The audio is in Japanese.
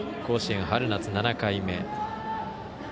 甲子園、春夏７回目。